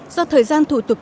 do thời gian thủ tục